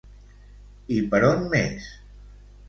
I per on més?